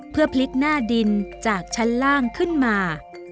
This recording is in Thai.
เพื่อพลิกหน้าดินจากชั้นล่างขึ้นมา